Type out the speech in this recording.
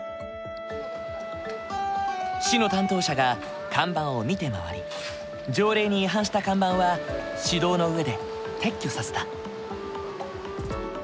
市の担当者が看板を見て回り条例に違反した看板は指導のうえで撤去させた。